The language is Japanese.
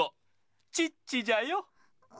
チッチじゃよ。